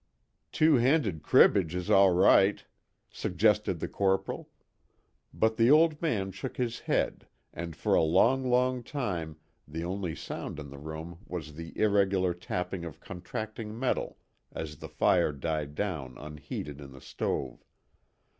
"Two handed cribbage is all right," suggested the Corporal. But the old man shook his head and for a long, long time the only sound in the room was the irregular tapping of contracting metal as the fire died down unheeded in the stove.